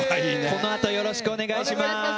この後よろしくお願いします。